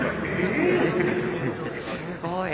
すごい。